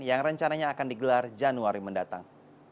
yang rencananya akan digelar januari mendatang